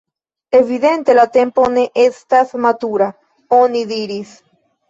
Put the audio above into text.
“Evidente la tempo ne estas matura,” oni diris.